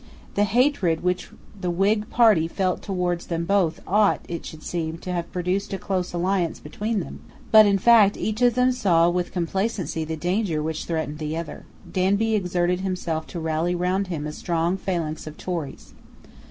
The hatred which the Whig party felt towards them both ought, it should seem, to have produced a close alliance between them: but in fact each of them saw with complacency the danger which threatened the other. Danby exerted himself to rally round him a strong phalanx of Tories.